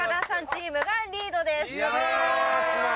さんチームがリードです。